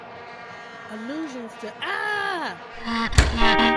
Allusions to Ah!